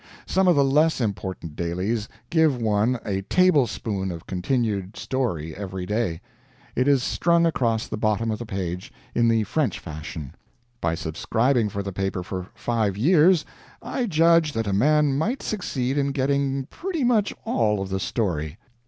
Some of the less important dailies give one a tablespoonful of a continued story every day; it is strung across the bottom of the page, in the French fashion. By subscribing for the paper for five years I judge that a man might succeed in getting pretty much all of the story.